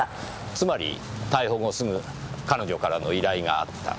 つまり逮捕後すぐ彼女からの依頼があった。